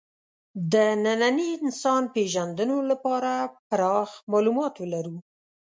د ننني انسان پېژندلو لپاره پراخ معلومات ولرو.